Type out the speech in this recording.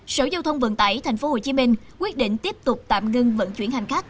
sở giao thông vận tải tp hcm quyết định tiếp tục tạm ngưng vận chuyển hành khách